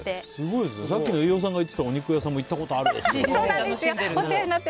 さっきの飯尾さんが行ってたお肉屋さんも行ったことあるって。